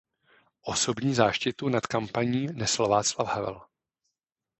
Osobní záštitu nad kampaní nesl Václav Havel.